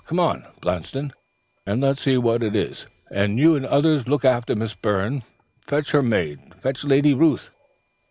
Come on, Blanston, and let's see what it is. And you others look after Miss Byrne. Fetch her maid; fetch Lady Ruth.'